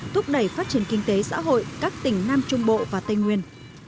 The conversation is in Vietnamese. thúc đẩy phát triển kinh tế xã hội các tỉnh nam trung bộ và tây nguyên